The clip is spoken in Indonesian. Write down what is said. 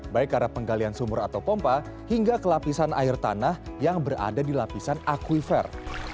baik karena penggalian sumur atau pompa hingga kelapisan air tanah yang berada di lapisan akuifer